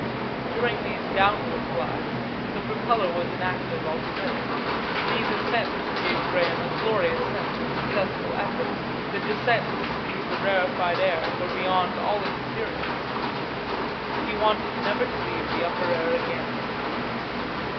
During these downward glides the propeller was inactive altogether. These ascents gave Graham a glorious sense of successful effort; the descents through the rarefied air were beyond all experience. He wanted never to leave the upper air again.